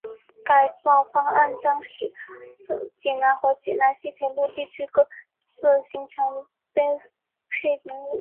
改建方案将使济南和济南西铁路地区各自形成配套能力。